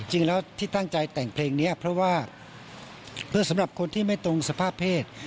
จริงแล้วที่ตั้งใจแต่งเพลงคือสำหรับคนที่ไม่ตรงสภาพเพศ